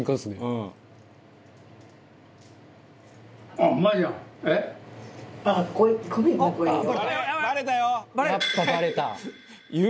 「うん」やっぱバレた。